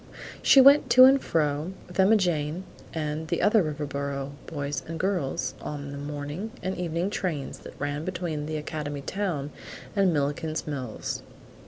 She went to and fro, with Emma Jane and the other Riverboro boys and girls, on the morning and evening trains that ran between the academy town and Milliken's Mills.